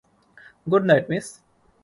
Good night, miss.